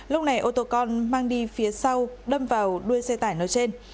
lúc này ô tô con mang đi phía sau đâm vào đuôi xe tải nói trên